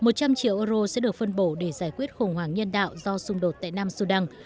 một trăm linh triệu euro sẽ được phân bổ để giải quyết khủng hoảng nhân đạo do xung đột tại nam sudan